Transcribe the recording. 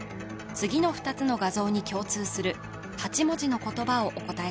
次の２つの画像に共通する８文字の言葉をお答え